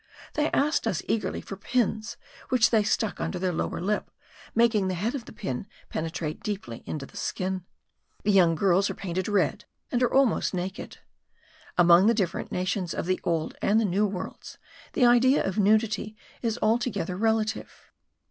They asked us eagerly for pins, which they stuck under their lower lip, making the head of the pin penetrate deeply into the skin. The young girls are painted red, and are almost naked. Among the different nations of the old and the new worlds, the idea of nudity is altogether relative.